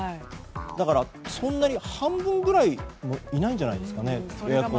だから、そんなに半分くらいもいないんじゃないですかね。